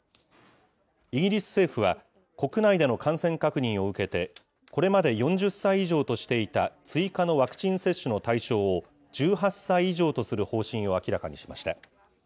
イギリス政府は、国内での感染確認を受けて、これまで４０歳以上としていた、追加のワクチン接種の対象を１８歳以上とする方針を明らかにしました。